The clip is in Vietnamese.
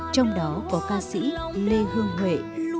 trong đó có ca sĩ lê hương huệ